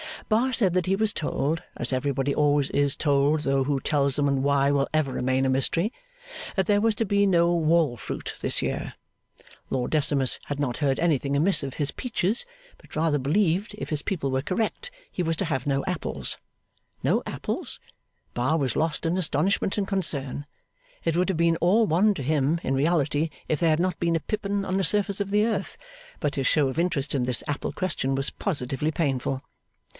Bar said that he was told (as everybody always is told, though who tells them, and why, will ever remain a mystery), that there was to be no wall fruit this year. Lord Decimus had not heard anything amiss of his peaches, but rather believed, if his people were correct, he was to have no apples. No apples? Bar was lost in astonishment and concern. It would have been all one to him, in reality, if there had not been a pippin on the surface of the earth, but his show of interest in this apple question was positively painful.